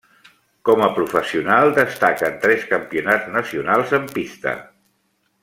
Com a professional destaquen tres campionats nacionals en pista.